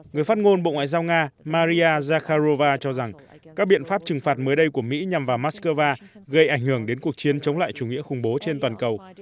người phát ngôn bộ ngoại giao nga maria zakharova cho rằng các biện pháp trừng phạt mới đây của mỹ nhằm vào moscow gây ảnh hưởng đến cuộc chiến chống lại chủ nghĩa khủng bố trên toàn cầu